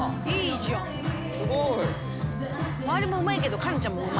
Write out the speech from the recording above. いいじゃん！